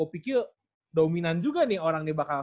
gue pikir dominan juga nih orang di bakal